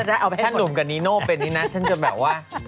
ถ้าหนุ่มกับนิโน่เป็นนี้นะฉันจะแบบว่า